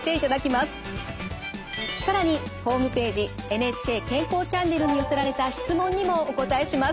「ＮＨＫ健康チャンネル」に寄せられた質問にもお答えします。